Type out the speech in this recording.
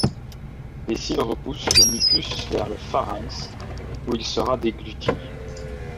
Les cils repoussent le mucus vers le pharynx, où il sera dégluti.